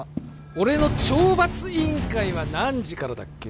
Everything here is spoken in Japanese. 俺の懲罰委員会は何時からだっけ？